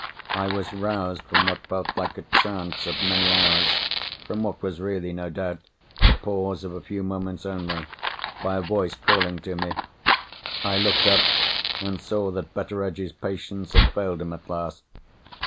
I was roused from what felt like a trance of many hours—from what was really, no doubt, the pause of a few moments only—by a voice calling to me. I looked up, and saw that Betteredge's patience had failed him at last.